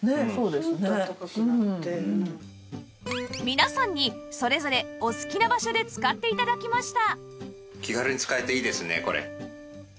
皆さんにそれぞれお好きな場所で使って頂きました